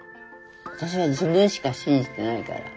私は自分しか信じてないから。